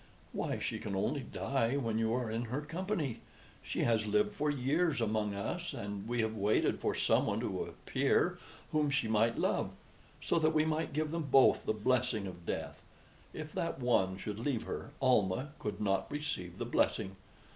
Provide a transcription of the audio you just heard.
"Why, she can only die when you are in her company. She has lived for years among us, and we have waited for someone to appear whom she might love, so that we might give them both the blessing of death. If that one should leave her, Almah could not receive the blessing.